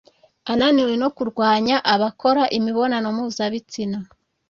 ananiwe no kurwanya abakora imibonano mpuzabitsina